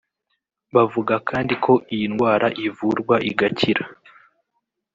Bavuga kandi ko iyi ndwara ivurwa igakira